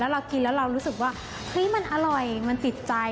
เรากินแล้วเรารู้สึกว่าเฮ้ยมันอร่อยมันติดใจ